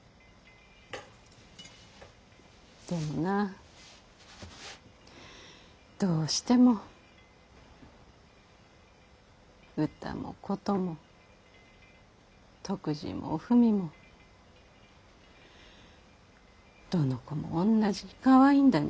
でもなぁどうしてもうたもことも篤二もおふみもどの子もおんなじにかわいいんだに。